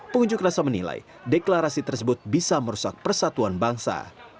pengunjung kerasa menilai deklarasi tersebut bisa merusak persatuan bangsa